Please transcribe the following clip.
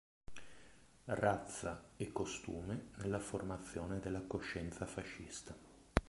Razza e costume nella formazione della coscienza fascista.